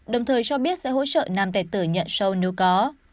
đồng thời cho biết sẽ hỗ trợ nam tài tử nhận sâu nếu có